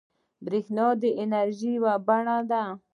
بریښنا د انرژۍ یوه بڼه ده